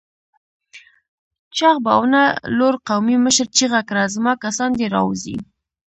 چاغ په ونه لوړ قومي مشر چيغه کړه! زما کسان دې راووځي!